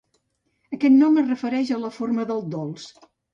Aquest nom es refereix a la forma del dolç.